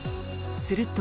すると。